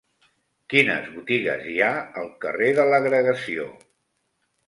Quines botigues hi ha al carrer de l'Agregació?